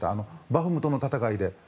バフムトの戦いで。